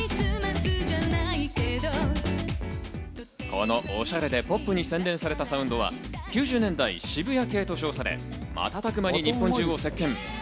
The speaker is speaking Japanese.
このオシャレでポップに洗練されたサウンドは９０年代「渋谷系」と称され、瞬く間に日本中を席巻。